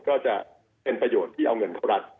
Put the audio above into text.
ก็จะเป็นประโยชน์ที่เอาเงินเข้ารัฐ